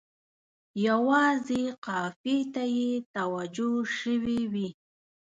یوازې قافیې ته یې توجه شوې وي.